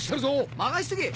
任しとけ！